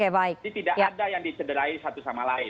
jadi tidak ada yang disederai satu sama lain